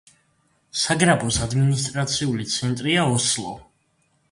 საგრაფოს ადმინისტრაციული ცენტრია ოსლო.